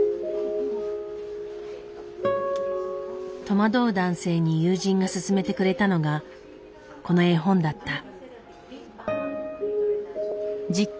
戸惑う男性に友人が薦めてくれたのがこの絵本だった。